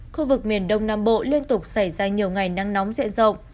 khu vực miền đông nam bộ liên tục xảy ra nhiều ngày nắng nóng diện rộng